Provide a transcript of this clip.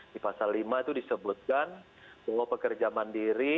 di pasal lima itu disebutkan bahwa pekerja mandiri